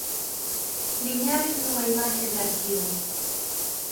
Liñares nunha imaxe de arquivo.